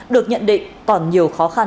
được nhận định còn nhiều khó khăn